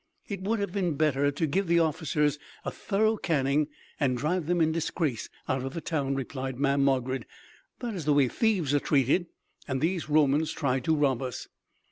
"It would have been better to give the officers a thorough caning and drive them in disgrace out of the town," replied Mamm' Margarid. "That is the way thieves are treated, and these Romans tried to rob us."